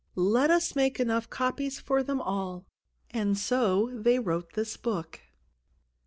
"Let us make enough copies for them all." And so they wrote this book.